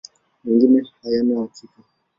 Mengine hayana hakika.